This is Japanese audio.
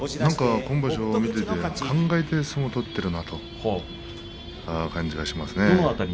今場所、見ていて考えて相撲を取っているなという感じがしますね。